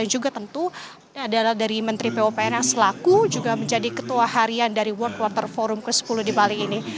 yang juga tentu adalah dari menteri pupr yang selaku juga menjadi ketua harian dari world quarter forum ke sepuluh di bali ini